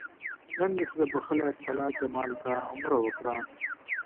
نن مې خدای بښلي ارسلا جمال ته عمره وکړه.